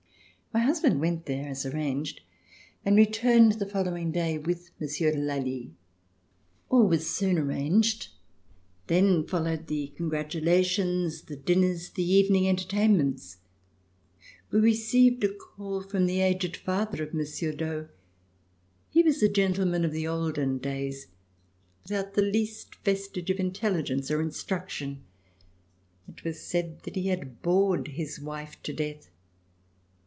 My husband went there as arranged and returned the following day with Monsieur de Lally. All was soon arranged. Then followed the congratulations, the dinners, the evening entertainments. We received a call from the aged father of Monsieur d'Aux. He was a gentleman of the olden days, without the least vestige of intelligence or instruction. It was said that he had bored his wife to death.